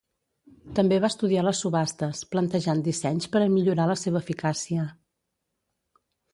També va estudiar les subhastes, plantejant dissenys per a millorar la seva eficiència.